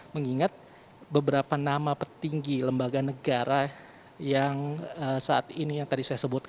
mengingat beberapa nama petinggi lembaga negara yang saat ini